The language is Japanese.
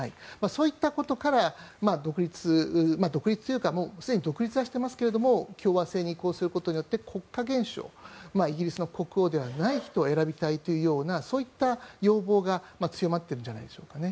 そういったことから独立独立というかすでに独立はしていますが共和制に移行することによって国家元首をイギリスの国王ではない人を選びたいというそういった要望が強まっているんじゃないでしょうかね。